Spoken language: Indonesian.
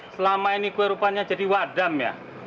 selama ini kue rupanya jadi wadam ya